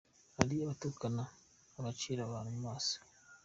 Hari abatukana, abacira abantu mu maso.